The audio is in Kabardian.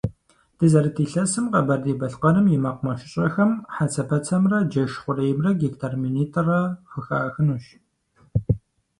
Дызэрыт илъэсым Къэбэрдей-Балъкъэрым и мэкъумэшыщӀэхэм хьэцэпэцэмрэ джэш хъуреймрэ гектар минитӀрэ хухахынущ.